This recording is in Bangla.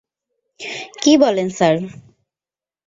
কী বলেন স্যার?